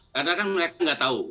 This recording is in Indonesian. karena kan mereka nggak tahu